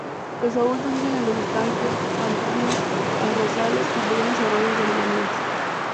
Los adultos viven en los estanques, pantanos, arrozales y pequeños arroyos de llanuras.